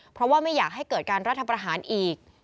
เพราะว่าไม่อยากให้เกิดการรัฐประหารอีก